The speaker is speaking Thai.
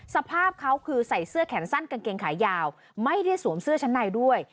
สภาพเขาคือใส่เสื้อแขนสั้นกางเกงขายาวไม่ได้สวมเสื้อชั้นในด้วย